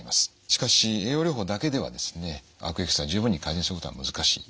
しかし栄養療法だけではですね悪液質が十分に改善することは難しい。